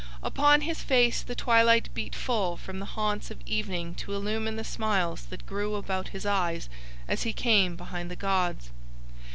Upon his face the twilight beat full from the haunts of evening to illumine the smiles that grew about his eyes as he came behind the gods.